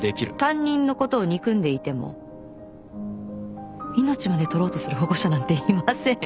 担任のことを憎んでいても命まで取ろうとする保護者なんていません。